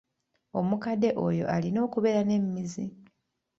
Omukadde oyo alina okubeera n'emmizi.